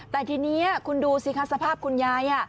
แต่ทีนี้คุณดูสิคะสภาพคุณยาย